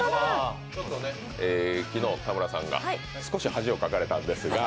昨日田村さんが少し恥をかかれたんですが。